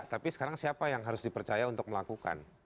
tapi sekarang siapa yang harus dipercaya untuk melakukan